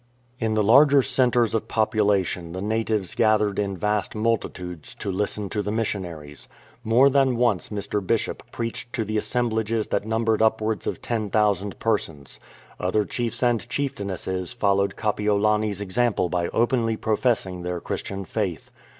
In the larger centres of population the natives gath ered in vast multitudes to listen to the missionaries. More than once Mr. Bishop preached to assemblages that numbered upwards of ten thousand persons. Other chiefs 345 AN EARNEST CHIEF and chieftainesses followed Kapiolani's example by openly professing their Christian faith.